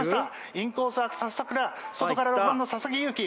インコースは朝倉外から６番の佐々木悠葵。